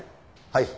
はい。